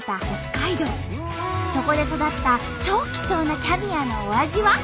そこで育った超貴重なキャビアのお味は？